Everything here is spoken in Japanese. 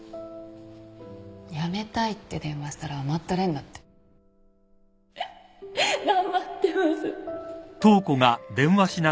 辞めたいって電話したら「甘ったれんな」って。頑張ってます